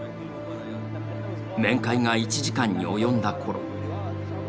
面会が１時間に及んだころ